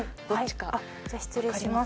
はいじゃあ失礼します。